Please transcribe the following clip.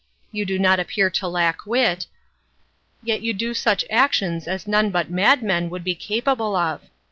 You do not appear to lack wit, yet you do such actions as none but madmen could be capable of.